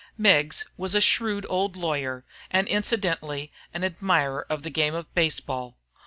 Meggs was a shrewd old lawyer, and incidentally an admirer of the game of baseball.